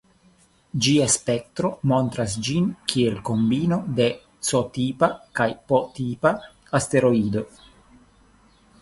Ĝia spektro montras ĝin kiel kombino de C-tipa kaj P-tipa asteroido.